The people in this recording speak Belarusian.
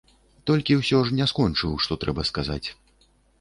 Толькі ўсё ж не скончыў, што трэба сказаць.